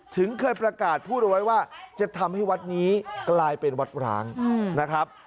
ถึงเคยประกาศพูดเอาไว้ว่าจะทำให้วัดนี้กลายเป็นวัดร้างนะครับ